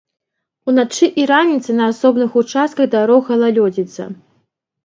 Уначы і раніцай на асобных участках дарог галалёдзіца.